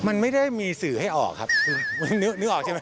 มันไม่ได้มีสื่อให้ออกครับมันนึกออกใช่ไหม